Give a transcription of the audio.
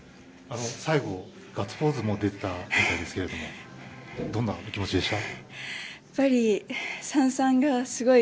最後、ガッツポーズも出てたみたいですがどんなお気持ちでした？